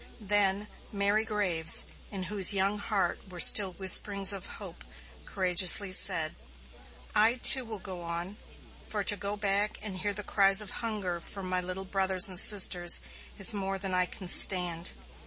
Then Mary Graves, in whose young heart were still whisperings of hope, courageously said: "I, too, will go on, for to go back and hear the cries of hunger from my little brothers and sisters is more than I can stand.